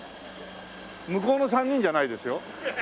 向こうの３人じゃないですよ。